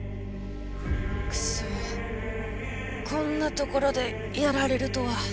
くそっこんなところでやられるとは。